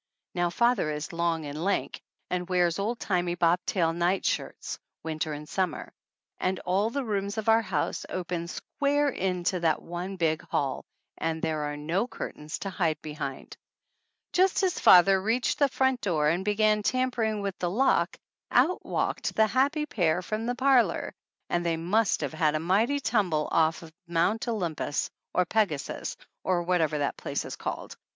Now, father is long and lank, and wears old timey bob tail night shirts, winter and summer ; and all the rooms of our house open square into that one big hall and there are no curtains to hide behind ! Just as father reached the front door and be gan tampering with the lock, out walked the happy pair from the parlor and they must have had a mighty tumble off of Mount Olympus or Pegasus, or whatever that place is called.